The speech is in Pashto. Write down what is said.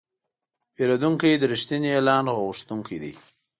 پیرودونکی د رښتیني اعلان غوښتونکی دی.